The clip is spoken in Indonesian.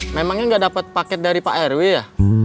memangnya gak dapet paket dari pak rw ya